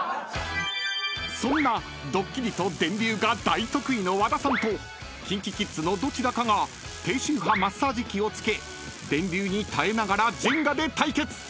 ［そんなドッキリと電流が大得意の和田さんとＫｉｎＫｉＫｉｄｓのどちらかが低周波マッサージ器を着け電流に耐えながらジェンガで対決！］